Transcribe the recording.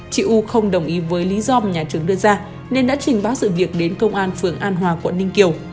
chị u không đồng ý với lý do mà nhà trường đưa ra nên đã trình báo sự việc đến công an phường an hòa quận ninh kiều